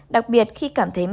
đặc biệt khi cảm thấy mệt